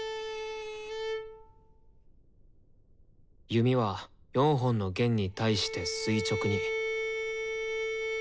弓は４本の弦に対して垂直に。